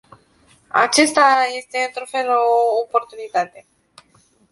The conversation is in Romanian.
Aceasta este, într-un fel, o oportunitate.